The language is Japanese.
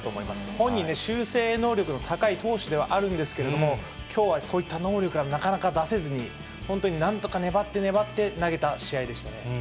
本人、修正能力の高い投手ではあるんですけれども、きょうはそういった能力がなかなか出せずに、本当になんとか粘って粘って投げた試合でしたね。